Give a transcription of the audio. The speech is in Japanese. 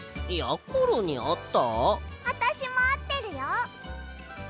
あたしもあってるよほら。